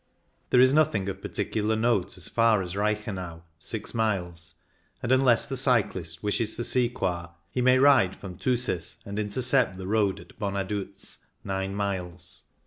There is nothing of particular note as far as Reichenau (six miles), and unless the cyclist wishes to see Coire he may ride from Thusis and intercept the road at Bonaduz (nine miles).